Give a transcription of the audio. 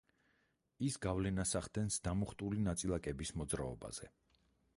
ის გავლენას ახდენს დამუხტული ნაწილაკების მოძრაობაზე.